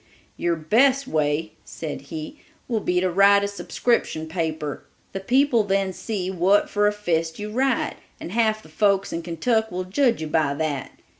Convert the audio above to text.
"Your best way," said he, "will be to write a subscription paper. The people then see what for a fist you write, and half the folks in Kentuck will judge you by that.